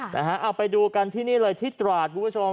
เอาไปดูกันที่นี่เลยที่ตราดคุณผู้ชม